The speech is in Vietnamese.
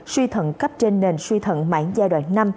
suy thận cấp trên nền suy thận mãn giai đoạn năm